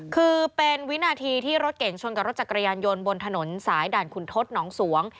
คือเป็นวินาทีที่รถเก่งชนกับรถจักรยานยนต์บนถนนสายด่านขุนทศหนองสวง